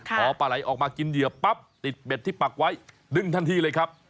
พอปลาไหลออกมากินเหยื่อปั๊บติดเบ็ดที่ปักไว้ดึงทันทีเลยครับ